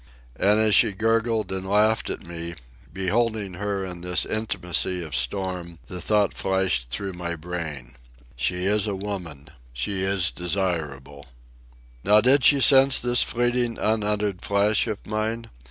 And as she gurgled and laughed at me, beholding her in this intimacy of storm, the thought flashed through my brain: She is a woman. She is desirable. Now did she sense this fleeting, unuttered flash of mine?